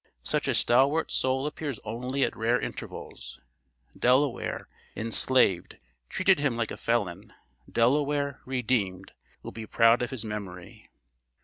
Such a stalwart soul appears only at rare intervals. Delaware, enslaved, treated him like a felon; Delaware, redeemed, will be proud of his memory.